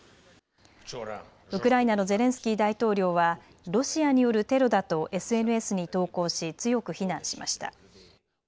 ウクライナのゼレンスキー大統領はロシアによるテロだとＳＮＳに投稿し、強く非難しました。